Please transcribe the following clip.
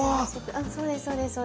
そうですそうです。